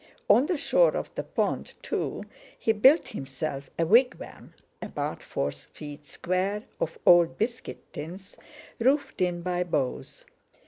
On the shore of the pond, too, he built himself a wigwam about four feet square, of old biscuit tins, roofed in by boughs.